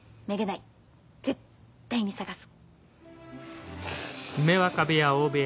絶対に探す。